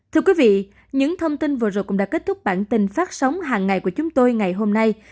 thưa quý vị những thông tin vừa rồi cũng đã kết thúc bản tin phát sóng hàng ngày của chúng tôi ngày hôm nay